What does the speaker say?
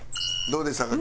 どうでしたか？